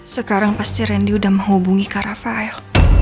sekarang pasti randy udah menghubungi kak rafael